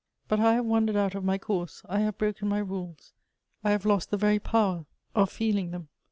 " But I have wandered out of my course ; I have broken my rules ; I have lost the very power of feeling tliem.